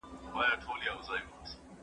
زه پرون کتاب وليکم؟!